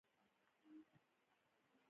فقیهانو داخلېدل مجاز نه وو.